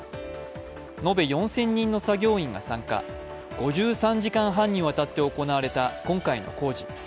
延べ４０００人の作業員が参加、５３時間半にわたって行われた今回の工事。